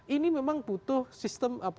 ini memang butuh sistem